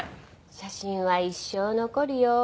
写真は一生残るよ。